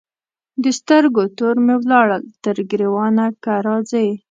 د سترګو تور مي ولاړل تر ګرېوانه که راځې